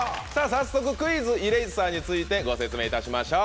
早速『クイズ！イレイサー』についてご説明いたしましょう。